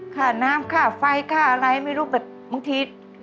ค่าน้ำค่าไฟค่าอะไรไม่รู้แบบบางที